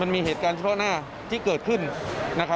มันมีเหตุการณ์เฉพาะหน้าที่เกิดขึ้นนะครับ